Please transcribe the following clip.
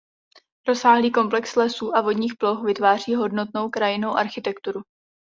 Rozsáhlý komplex lesů a vodních ploch vytváří hodnotnou krajinnou architekturu.